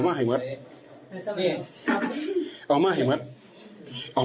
พระอยู่ที่ตะบนพนมไพรครับ